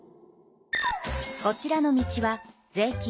こちらの道は税金